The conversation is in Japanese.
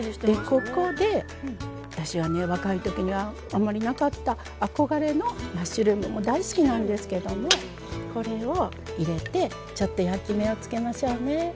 ここで私は若いときには、あまりなかった憧れのマッシュルームも大好きなんですけどもこれを入れて、ちょっと焼き目をつけましょうね。